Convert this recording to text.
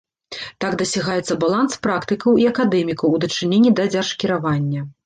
Так дасягаецца баланс практыкаў і акадэмікаў у дачыненні да дзяржкіравання.